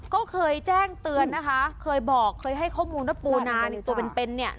ก็เคยแจ้งเตือนนะคะเคยบอกเคยให้ข้อมูลว่าปูนาเนี่ยตัวเป็นเป็นเนี่ย